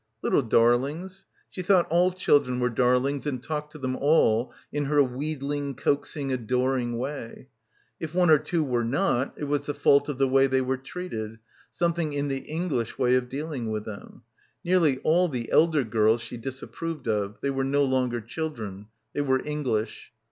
"Little dorlings." She thought all children were darlings and talked to them all in her tweedling, coaxing, adoring way. If one or two were not, it was the fault of the way they were treated, some* thing in the 'English' way of dealing with them. Nearly all the elder girls she disapproved of, they were no longer children — they were English.